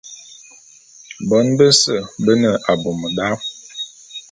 Bon bese be ne abum da.